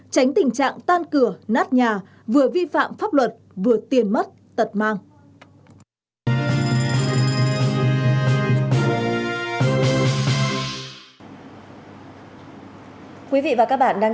tránh tình trạng tan cửa nát nhà vừa vi phạm pháp luật vừa tiền mất tật mang